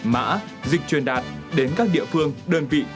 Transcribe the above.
mã dịch truyền đạt đến các địa phương đơn vị